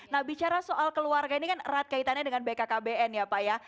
nah bicara soal keluarga ini kan erat kaitannya dengan bkkbn ya pak ya